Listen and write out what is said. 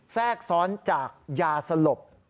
แทรกซ้อนจากยาสลบ